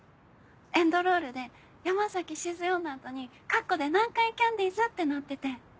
エンドロールで「山崎静代」の後にカッコで「南海キャンディーズ」ってなってて。